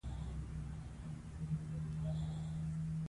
لیکوال د همدې ساتونکو په کتار کې دی.